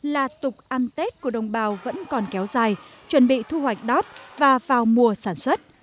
là tục ăn tết của đồng bào vẫn còn kéo dài chuẩn bị thu hoạch đót và vào mùa sản xuất